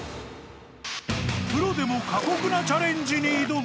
プロでも過酷なチャレンジに挑む